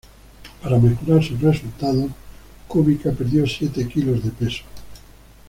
Para mejorar sus resultados, Kubica perdió siete kilos de peso.